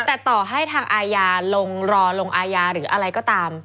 แต่ต่อให้ทางอาญาลงรอลงอาญาหรืออะไรก็ตาม